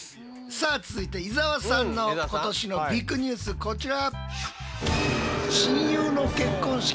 さあ続いて伊沢さんの今年のビッグニュースこちら！